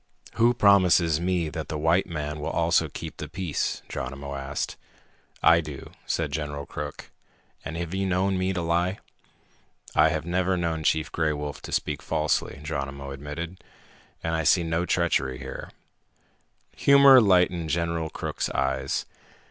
"Who promises me that the white man will also keep the peace?" Geronimo asked. "I do," said General Crook. "And have you known me to lie?" "I have never known Chief Gray Wolf to speak falsely," Geronimo admitted. "And I see no treachery here." Humor lighted General Crook's eyes.